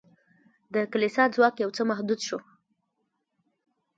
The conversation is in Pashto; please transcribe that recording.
د کلیسا ځواک یو څه محدود شو.